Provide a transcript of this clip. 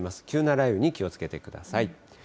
急な雷雨に気をつけてください。